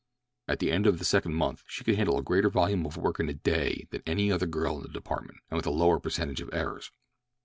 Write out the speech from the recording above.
At the end of the second month she could handle a greater volume of work in a day than any other girl in the department, and with a lower percentage of errors.